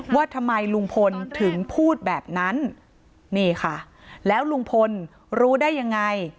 ว่าทำไมลุงพลถึงพูดแบบนั้นนี่ค่ะแล้วลุงพลรู้ได้ยังไง